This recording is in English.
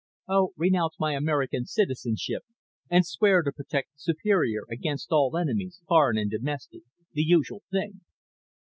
"Oh, renounce my American citizenship and swear to protect Superior against all enemies, foreign and domestic. The usual thing."